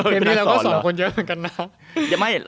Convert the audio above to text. เคนดีเราก็สอนคนเยอะเหมือนกันนะ